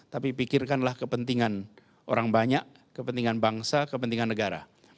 tapi pikirkanlah kepentingan orang banyak kepentingan bangsa kepentingan negara